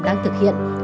đang thực hiện